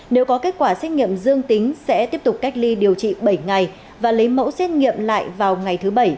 nếu có kết quả xét nghiệm dương tính sẽ tiếp tục cách ly điều trị bảy ngày và lấy mẫu xét nghiệm lại vào ngày thứ bảy